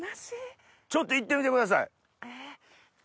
ちょっと行ってみてください。ハハハ。